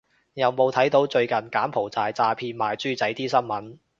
有冇睇到最近柬埔寨詐騙賣豬仔啲新聞